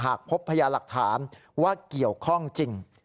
หากพบพยาหลักฐานว่าเกี่ยวข้องจริง